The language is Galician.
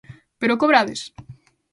Pero cobrades!?